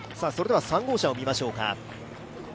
３号車を見ましょうか。